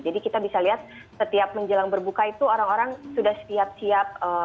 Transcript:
jadi kita bisa lihat setiap menjelang berbuka itu orang orang sudah sekian